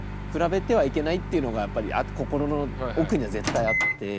比べてはいけないっていうのがやっぱり心の奥には絶対あって。